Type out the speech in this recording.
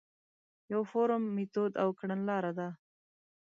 یو فورم، میتود او کڼلاره ده.